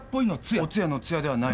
お通夜の「つや」ではない。